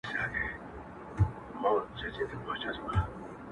زه به درځم چي انار پاخه وي -